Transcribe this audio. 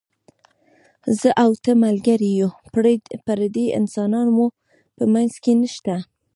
زه او ته ملګري یو، پردي انسانان مو په منځ کې نشته.